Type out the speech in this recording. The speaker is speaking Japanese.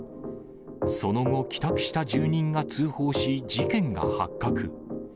その後、帰宅した住人が通報し、事件が発覚。